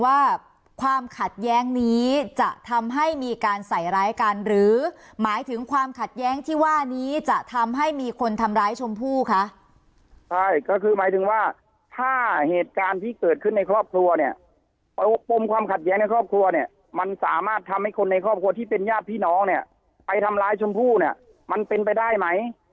ว่าความขัดแย้งนี้จะทำให้มีการใส่ร้ายกันหรือหมายถึงความขัดแย้งที่ว่านี้จะทำให้มีคนทำร้ายชมพู่คะใช่ก็คือหมายถึงว่าถ้าเหตุการณ์ที่เกิดขึ้นในครอบครัวเนี่ยปมความขัดแย้งในครอบครัวเนี่ยมันสามารถทำให้คนในครอบครัวที่เป็นญาติพี่น้องเนี่ยไปทำร้ายชมพู่เนี่ยมันเป็นไปได้ไหม